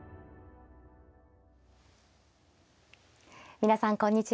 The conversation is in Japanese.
皆さんこんにちは。